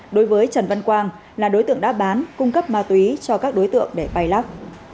đối với trần văn quang là đối tượng đã bán cung cấp ma túy cho các đối tượng để bay lắc